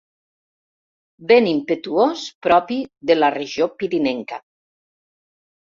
Vent impetuós propi de la regió pirinenca.